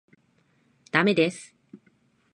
駄目です。